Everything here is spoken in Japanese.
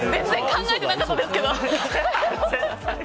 考えてなかったですけど。